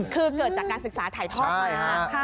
คือเกิดจากการศึกษาถ่ายธอกมานะใช่ค่ะค่ะ